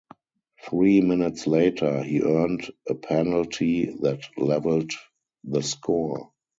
Three minutes later, he earned a penalty that levelled the score.